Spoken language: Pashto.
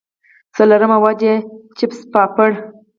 څلورمه وجه ئې چپس پاپړ